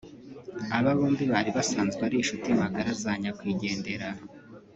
aba bombi bari basanzwe ari inshuti magara za nyakwigendera